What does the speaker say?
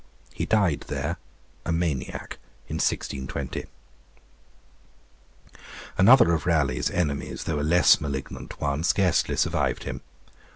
He died there, a maniac, in 1620. Another of Raleigh's enemies, though a less malignant one, scarcely survived him.